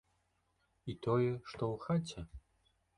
І тое, што ў хаце?